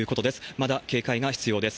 まだ警戒が必要です。